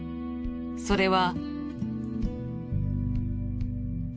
それは。